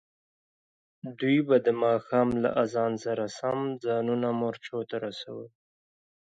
دوی به د ماښام له اذان سره سم ځانونه مورچو ته رسول.